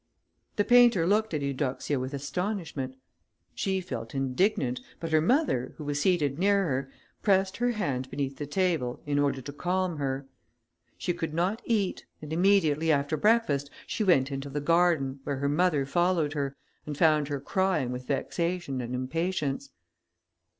The painter looked at Eudoxia with astonishment. She felt indignant, but her mother, who was seated near her, pressed her hand beneath the table, in order to calm her. She could not eat, and immediately after breakfast, she went into the garden, where her mother followed her, and found her crying with vexation and impatience.